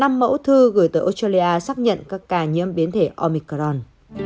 năm mẫu thư gửi tới australia xác nhận các ca nhiễm biến thể omicron